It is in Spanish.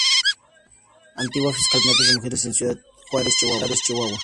Antigua fiscal para los Asesinatos de Mujeres en Ciudad Juárez, Chihuahua.